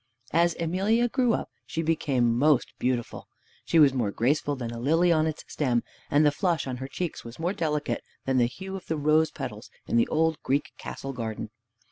As Emelia grew up she became most beautiful. She was more graceful than a lily on its stem, and the flush on her cheeks was more delicate than the hue of the rose petals in the old Greek castle garden.